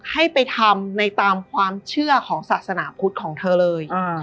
ให้ไปทำในตามความเชื่อของศาสนาพุทธของเธอเลย